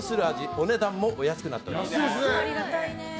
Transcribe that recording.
お値段もお安くなっております。